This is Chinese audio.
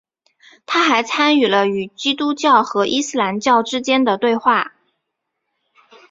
他还参与了基督教和伊斯兰教之间的对话。